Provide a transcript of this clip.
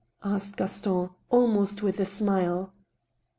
" asked Gaston, almost with a smile.